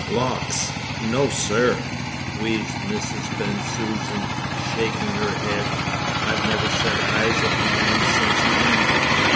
"Lawks! no, sir!" wheezed Mrs. Bensusan, shaking her head. "I've never set eyes on him since he went.